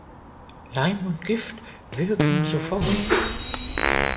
Leim und Gift wirken sofort.